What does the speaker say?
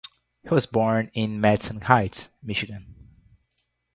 He was born in Madison Heights, Michigan.